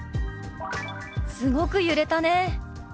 「すごく揺れたね」。